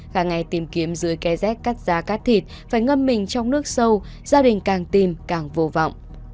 cả ngày tìm kiếm dưới ké rét cắt giá cắt thịt phải ngâm mình trong nước sâu gia đình càng tìm càng vô vọng